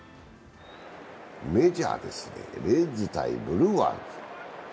メジャーですね、レッズ×ブルワーズ。